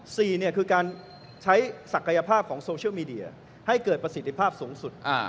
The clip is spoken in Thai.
สี่เนี่ยคือการใช้ศักยภาพของโซเชียลมีเดียให้เกิดประสิทธิภาพสูงสุด